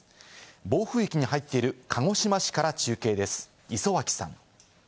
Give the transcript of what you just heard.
暴風域に入っている鹿児島市から中継です、磯脇さん。